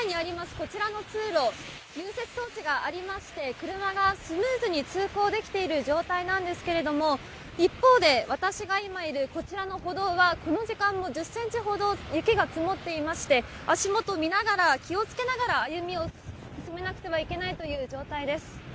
こちらの通路、融雪装置がありまして、車がスムーズに通行できている状態なんですけども、一方で、私が今いるこちらの歩道は、この時間も１０センチほど雪が積もっていまして、足元見ながら、気をつけながら、歩みを進めなくてはいけないという状態です。